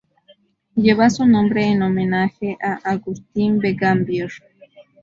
Lleva su nombre en homenaje a Agustín B. Gambier.